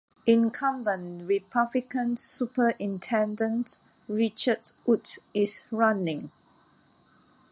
Incumbent Republican Superintendent Richard Woods is running.